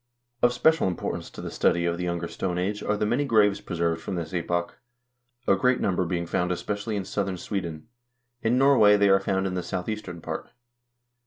Of special importance to the study of the Younger Stone Age are the many graves preserved from this epoch, a great number being found especially in southern Sweden. In Norway they are found in the southeastern part.